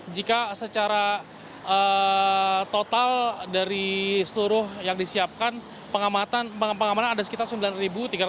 jika secara total dari seluruh yang disiapkan pengamanan ada sekitar sembilan tiga ratus empat puluh enam